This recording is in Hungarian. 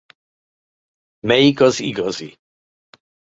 Melyik az igazi?